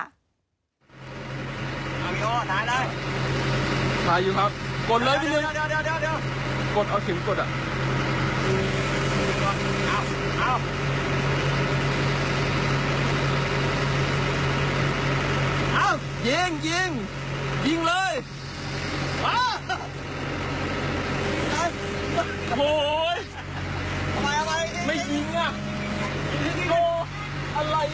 อ้าวยิงยิงยิงเลยโอ้โฮไม่ยิงอ่ะอะไรอ่ะใส่โอ้ใส่เลย